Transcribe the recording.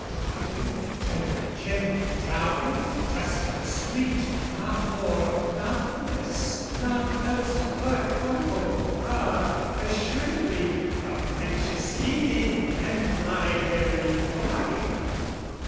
Daughter? Dirt O' the kennel! Dowry? Dust o' the street! Nought more, Nought less, nought else but oh ah assuredly A Franceschini and my very wife!